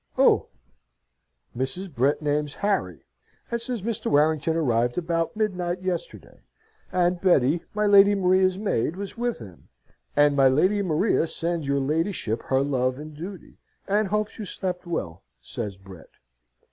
Who?" Mrs. Brett names Harry, and says Mr. Warrington arrived about midnight yesterday and Betty, my Lady Maria's maid, was with him. "And my Lady Maria sends your ladyship her love and duty, and hopes you slept well," says Brett.